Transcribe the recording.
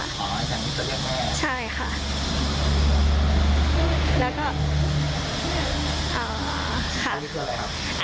อย่างนี้ก็เรียกแม่ใช่ค่ะแล้วก็อ๋อค่ะอันนี้คืออะไรค่ะ